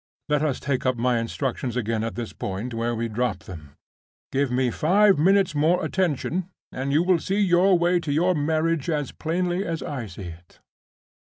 Let us take up my instructions again at the point where we dropped them. Give me five minutes' more attention, and you will see your way to your marriage as plainly as I see it.